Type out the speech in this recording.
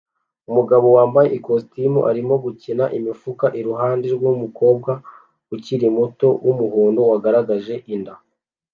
Umugabo wambaye ikositimu arimo gukina imifuka iruhande rwumukobwa ukiri muto wumuhondo wagaragaje inda